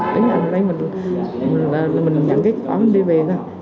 đến nhà mình lấy mình là mình nhận cái quả mình đi về thôi